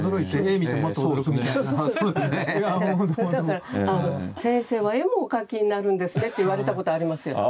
だから「先生は絵もお描きになるんですね」って言われたことありますよ。